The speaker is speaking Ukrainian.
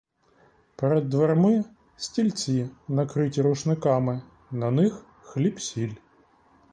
Перед дверми стільці, накриті рушниками, на них хліб-сіль.